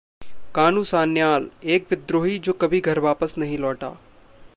कानू सान्याल: एक विद्रोही जो कभी घर वापस नहीं लौटा